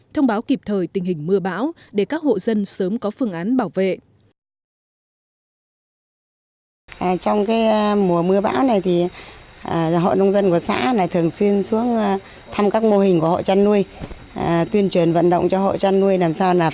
thông báo kịp thời tình hình mưa bão để các hộ dân sớm có phương án bảo vệ